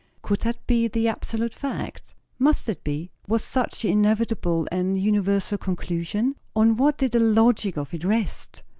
Could that be the absolute fact? Must it be? Was such the inevitable and universal conclusion? On what did the logic of it rest?